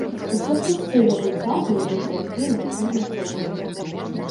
Усё часцей яго цягне ў літаратуру, кінематограф.